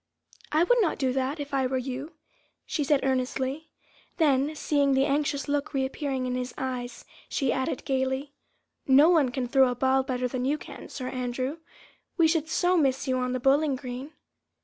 "I would not do that, if I were you," she said earnestly; then seeing the anxious look once more reappearing in his eyes, she added gaily; "No one can throw a ball better than you can, Sir Andrew, we should so miss you on the bowling green."